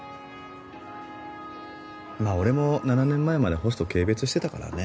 まあ俺も７年前までホスト軽蔑してたからね。